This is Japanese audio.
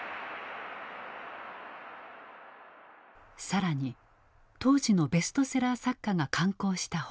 更に当時のベストセラー作家が刊行した本。